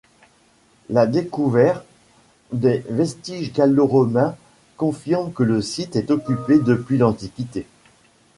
La découvert de vestiges gallo-romains confirme que le site est occupé depuis l'Antiquité.